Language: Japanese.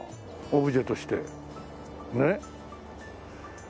オブジェとしてねっ。